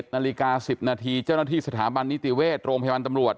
นาฬิกา๑๐นาทีเจ้าหน้าที่สถาบันนิติเวชโรงพยาบาลตำรวจ